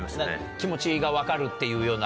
気持ちが分かるっていうような。